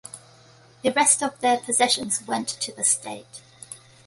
The rest of their possessions went to the state.